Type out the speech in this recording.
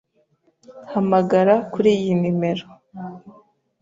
Hamagara kuri iyi nimero.